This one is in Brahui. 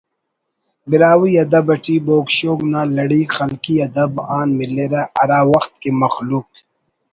براہوئی ادب اٹی بوگ شوگ نا لڑیک خلقی ادب آن ملرہ ہرا وخت کہ مخلوق